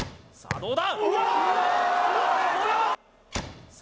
どうだ？